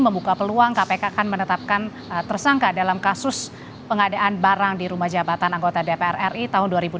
membuka peluang kpk akan menetapkan tersangka dalam kasus pengadaan barang di rumah jabatan anggota dpr ri tahun dua ribu delapan belas